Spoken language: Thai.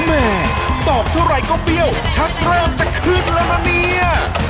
แม่ตอบเท่าไหร่ก็เบี้ยวชักเริ่มจะขึ้นแล้วนะเนี่ย